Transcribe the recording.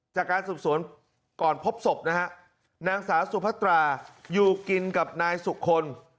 จากการสืบสวนก่อนพบศพนะฮะนางสาวสุพัตราอยู่กินกับนายสุคล